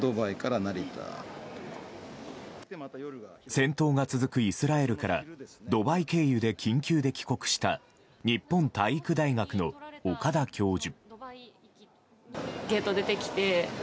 戦闘が続くイスラエルからドバイ経由で、緊急で帰国した日本体育大学の岡田教授。